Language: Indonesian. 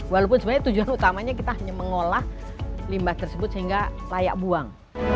walaupun sebenarnya tujuan utamanya kita hanya mengolah limbah tersebut sehingga layak buang